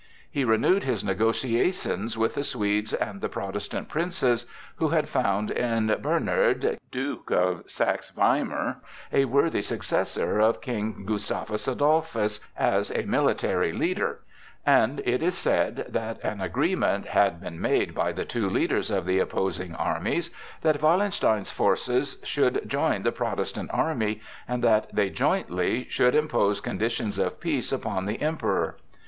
He renewed his negotiations with the Swedes and the Protestant princes, who had found in Bernard, Duke of Saxe Weimar, a worthy successor of King Gustavus Adolphus as a military leader; and it is said that an agreement had been made by the two leaders of the opposing armies that Wallenstein's forces should join the Protestant army, and that they jointly should impose conditions of peace upon the Emperor.